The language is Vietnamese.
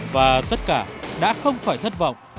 và tất cả đã không phải thất vọng